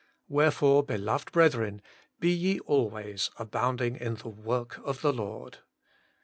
Wherefore, beloved brethren, be ye always abounding in the work of the Lord.'